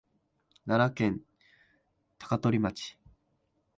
奈良県高取町